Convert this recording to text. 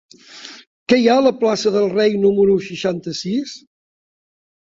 Què hi ha a la plaça del Rei número seixanta-sis?